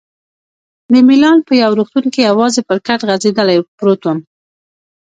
د میلان په یو روغتون کې یوازې پر کټ غځېدلی پروت وم.